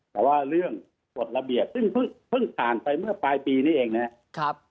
แต่ว่าเรื่องกฎระเบียบซึ่งเพิ่งผ่านไปเมื่อปลายปีนี้เองนะครับ